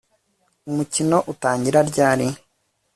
umukino utangira ryari